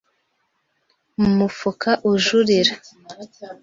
Mu mufuka ujurira